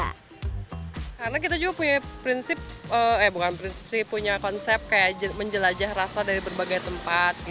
karena kita juga punya konsep menjelajah rasa dari berbagai tempat